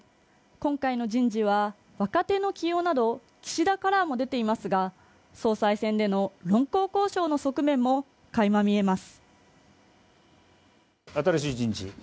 今回の人事は若手の起用など岸田カラーも出ていますが総裁選での論功行賞の側面もかいま見えます